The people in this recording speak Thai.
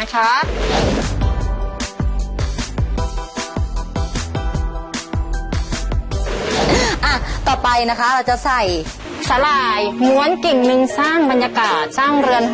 แล้วต่อไปเราจะใส่สลายหว้นกิ่งหนึ่งสร้างบรรยากาศสร้างเรือนหอ